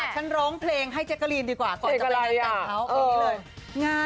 ฉันร้องเพลงให้เจคาลีนดีกว่า